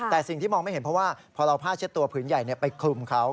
แต่สิ่งที่มองไม่เห็นเพราะว่าพอเราผ้าเช็ดตัวผืนใหญ่ไปคลุมเขา